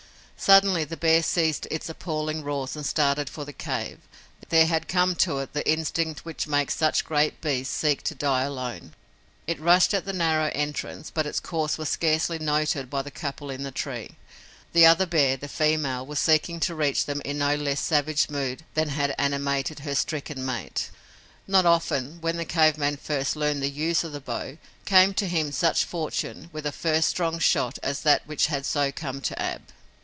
Suddenly the bear ceased its appalling roars and started for the cave. There had come to it the instinct which makes such great beasts seek to die alone. It rushed at the narrow entrance but its course was scarcely noted by the couple in the tree. The other bear, the female, was seeking to reach them in no less savage mood than had animated her stricken mate. Not often, when the cave man first learned the use of the bow, came to him such fortune with a first strong shot as that which had so come to Ab.